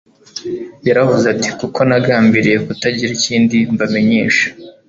yaravuze ati: "Kuko nagambiriye kutagira ikindi mbamenyesha,